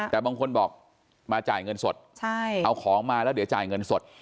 แต่บางคนบอกมาจ่ายเงินสดเอาของมาแล้วเดี๋ยวจ่ายเงินสด